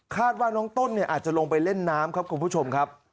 ว่าน้องต้นเนี่ยอาจจะลงไปเล่นน้ำครับคุณผู้ชมครับ